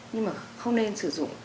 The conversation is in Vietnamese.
nhưng mà không nên sử dụng